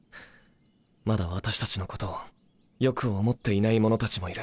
まだ私たちのことを良く思っていない者たちもいる。